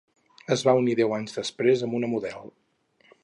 Es va unir deu anys després amb una model.